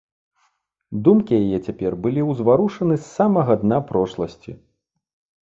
Думкі яе цяпер былі ўзварушаны з самага дна прошласці.